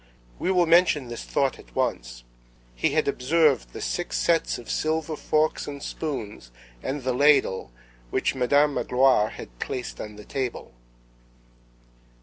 We will mention this thought at once: he had observed the six sets of silver forks and spoons and the ladle which Madame Magloire had placed on the table.